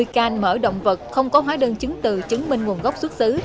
hai mươi canh mỡ động vật không có hóa đơn chứng từ chứng minh nguồn gốc xuất xứ